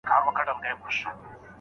سل روپۍ پور که، یو زوی کابل کي لوی کړه.